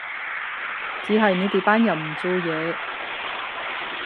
只係你哋班人唔做嘢